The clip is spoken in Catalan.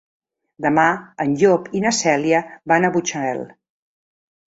Demà en Llop i na Cèlia van a Mutxamel.